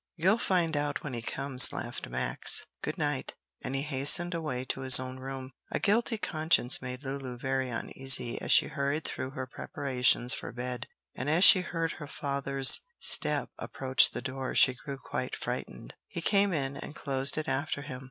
"You'll find out when he comes," laughed Max. "Good night," and he hastened away to his own room. A guilty conscience made Lulu very uneasy as she hurried through her preparations for bed, and as she heard her father's step approach the door she grew quite frightened. He came in and closed it after him.